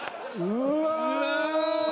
うわ。